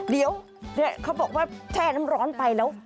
เดี๋ยวเขาบอกว่าแช่น้ำร้อนไปแล้ว